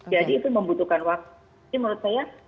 jadi itu membutuhkan waktu ini menurut saya